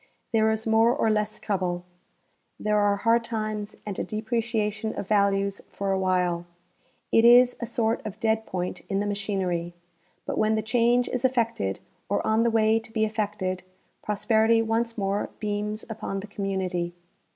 There is more or less trouble. There are hard times and a depreciation of values for a while. It is a sort of dead point in the machiner}^; but when the change is efii'ected, or on the way to be effected, pros perity once more beams upon the community.